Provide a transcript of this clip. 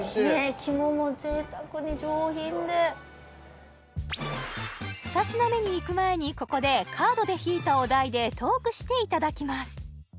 肝も贅沢に上品で２品目にいく前にここでカードで引いたお題でトークしていただきます